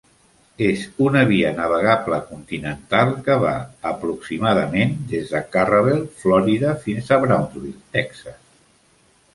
És una via navegable continental que va aproximadament des de Carrabelle (Florida) fins a Brownsville (Texas).